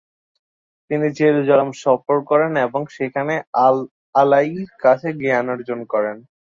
তিনি জেরুজালেম সফর করেন এবং সেখানে আল-আলা'ঈর কাছে জ্ঞানার্জন করেন।